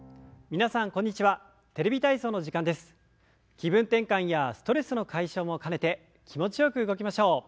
気分転換やストレスの解消も兼ねて気持ちよく動きましょう。